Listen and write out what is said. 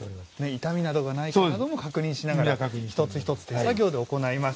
傷みなどがないかなども確認しながら一つ一つ手作業で行います。